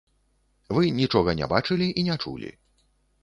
Вы нічога не бачылі і не чулі.